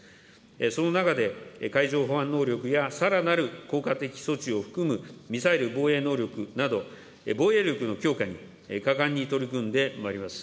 その中で、海上保安能力やさらなるミサイル防衛能力などの防衛力の強化に果敢に取り組んでまいります。